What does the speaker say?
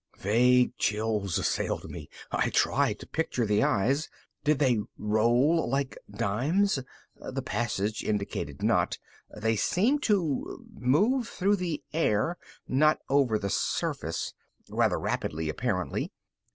_ Vague chills assailed me. I tried to picture the eyes. Did they roll like dimes? The passage indicated not; they seemed to move through the air, not over the surface. Rather rapidly, apparently.